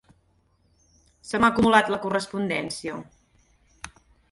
Se m'ha acumulat la correspondència.